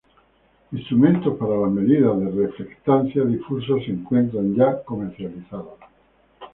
Instrumentos para las medidas de reflectancia difusa se encuentran ya comercializados.